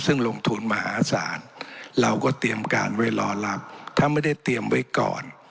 ซึ่งลงทุนมหาศาลเราก็เตรียมการไว้รอรับถ้าไม่ได้เตรียมไว้ก่อน